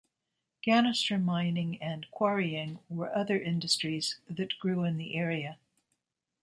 Ganister mining and quarrying were other industries that grew in the area.